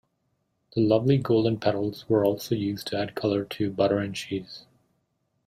The lovely golden petals were also used to add color to butter and cheese.